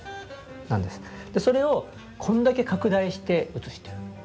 それをこんだけ拡大して写してる。